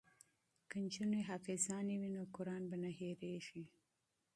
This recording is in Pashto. که نجونې حافظانې وي نو قران به نه هیریږي.